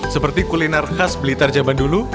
seperti kuliner khas blitar zaman dulu